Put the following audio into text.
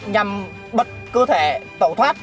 nhằm bật cơ thể tẩu thoát